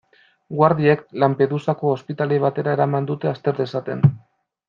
Guardiek Lampedusako ospitale batera eraman dute, azter dezaten.